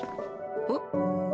えっ？